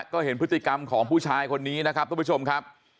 ก็เห็นพฤติกรรมของผู้ชายคนนี้นะครับทุกผู้ชมครับ